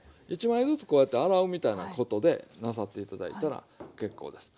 １枚ずつこうやって洗うみたいなことでなさって頂いたら結構です。